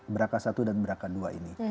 brca satu dan brca dua ini